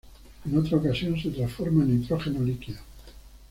En otra ocasión, se transforma en nitrógeno líquido.